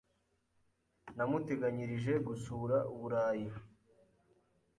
namuteganyirije gusura Uburayi.